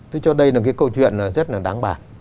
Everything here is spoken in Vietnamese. tôi cho đây là cái câu chuyện rất là đáng bà